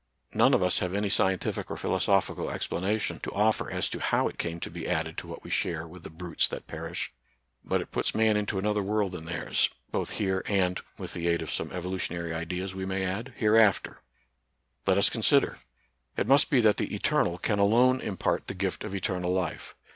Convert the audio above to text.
None of us have any scientific or philosophi cal explanation to offer as to hotv it came to be added to what we share with the brutes that perish ; but it puts man into another world than theirs, both here, and — with the aid of some evolutionary ideas, we may add — here after. 104 NATURAL SCIENCE AND RELIGION. Let US consider. It must be that the Eternal can alone impart the gift of eternal life.